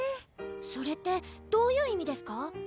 それってどういう意味ですか？